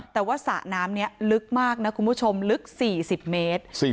แต่ว่าสระน้ำนี้ลึกมากนะคุณผู้ชมลึก๔๐เมตร